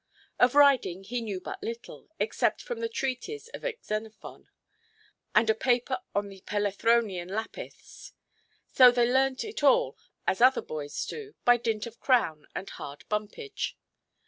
Of riding he knew but little, except from the treatise of Xenophon, and a paper on the Pelethronian Lapiths; so they learned it as all other boys do, by dint of crown and hard bumpage.